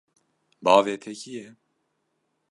Bavê te kî ye?